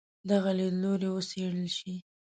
دغه لیدلوری وڅېړل شي.